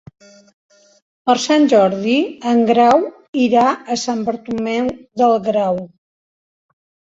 Per Sant Jordi en Grau irà a Sant Bartomeu del Grau.